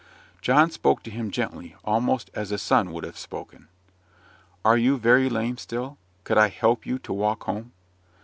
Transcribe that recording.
John spoke to him gently, almost as a son would have spoken. "Are you very lame still? Could I help you to walk home?"